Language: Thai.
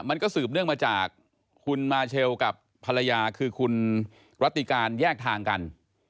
มันก็สืบเนื่องมาจากคุณมาเชลกับภรรยาคือคุณรัติการแยกทางกัน